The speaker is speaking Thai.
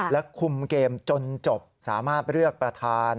และคุมเกมจนจบสามารถเลือกประธาน